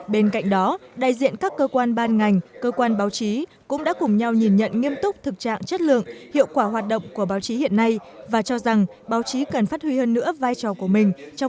bên cạnh đó đại diện các cơ quan ban ngành cơ quan báo chí cũng đã cùng nhau nhìn nhận nghiêm túc thực trạng chất lượng hiệu quả hoạt động của báo chí hiện nay và cho rằng báo chí cần phát huy hơn nữa vai trò của mình